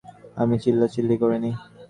আমি চিল্লাচিল্লি করিনি।